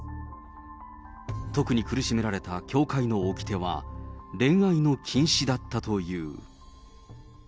特に苦しめられた教会のおきては、恋愛の禁止だったという。